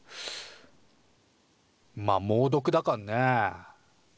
まあ猛毒だかんね。